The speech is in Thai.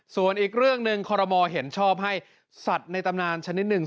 ส่วนอีกเรื่องหนึ่งคอรมอลเห็นชอบให้สัตว์ในตำนานชนิดหนึ่ง